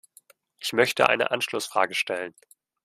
Ich möchte eine Anschlussfrage stellen.